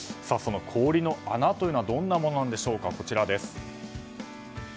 その氷の穴というのはどんなものなんでしょうか。